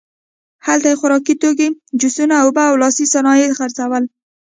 هلته یې خوراکي توکي، جوسونه، اوبه او لاسي صنایع خرڅول.